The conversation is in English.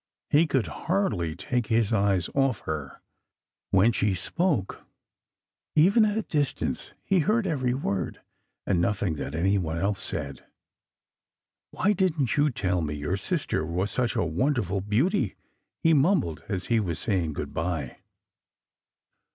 He could hardly take his eyes off her. When she spoke, even at a distance, he heard every word, and nothing that any one else said. "Why didn t you tell me your sister was such a wonder ful beauty? " he mumbled as he was saying good bye.